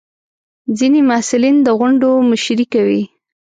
ځینې محصلین د غونډو مشري کوي.